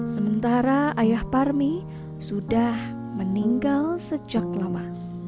sementara ayah parmi sudah meninggal sejak lama